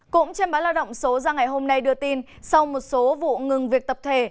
cũng trên báo lao động số ra ngày hôm nay đưa tin sau một số vụ ngừng việc tập thể